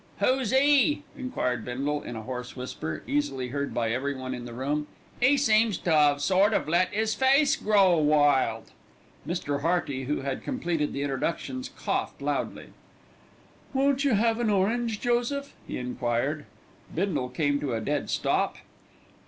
"Who's 'e?" enquired Bindle in a hoarse whisper, easily heard by everyone in the room. "'E seems to 'ave sort o' let his face grow wild." Mr. Hearty, who had completed the introductions, coughed loudly. "Won't you have an orange, Joseph?" he enquired. Bindle came to a dead stop.